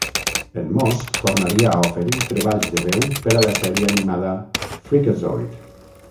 En Moss tornaria a oferir treballs de veu per a la sèrie animada Freakazoid!